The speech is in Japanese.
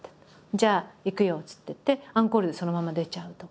じゃあ行くよっつって行ってアンコールでそのまま出ちゃうとか。